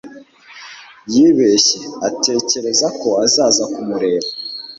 yibeshye atekereza ko azaza kumureba